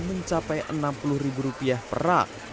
mencapai rp enam puluh per rak